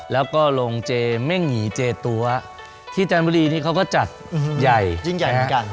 แล้วก็โรงเจเม่งหยีเจตัวที่จันทบุรีนี่เขาก็จัดใหญ่ยิ่งใหญ่เหมือนกัน